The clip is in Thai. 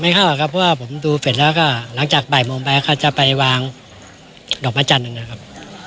เข้าครับเพราะว่าผมดูเสร็จแล้วก็หลังจากบ่ายโมงไปเขาจะไปวางดอกไม้จันทร์นะครับ